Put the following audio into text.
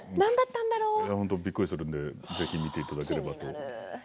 びっくりするんでぜひ見ていただければ。